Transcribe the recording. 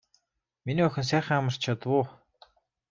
Миний охин сайхан амарч чадав уу.